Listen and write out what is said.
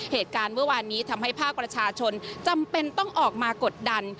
เหตุการณ์เมื่อวานนี้ทำให้ภาคประชาชนจำเป็นต้องออกมากดดัน